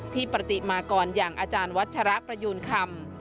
ที่ปฏิมาก่อนอย่างอาจารย์วัชรพระยูนคำ